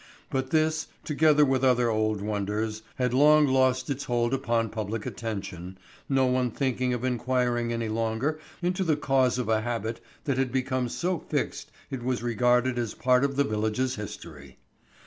But this, together with other old wonders, had long lost its hold upon public attention, no one thinking of inquiring any longer into the cause of a habit that had become so fixed it was regarded as part of the village's history.